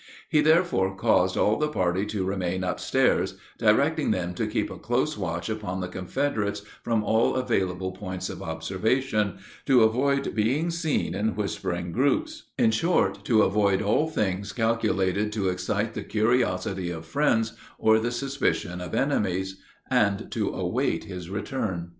He therefore caused all the party to remain up stairs, directing them to keep a close watch upon the Confederates from all available points of observation, to avoid being seen in whispering groups, in short, to avoid all things calculated to excite the curiosity of friends or the suspicion of enemies, and to await his return.